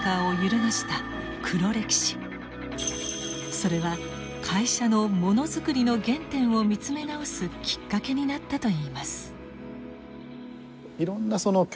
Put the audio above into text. それは会社のものづくりの原点を見つめ直すきっかけになったといいます。